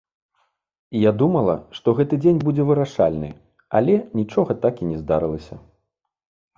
Я думала, што гэты дзень будзе вырашальны, але нічога так і не здарылася.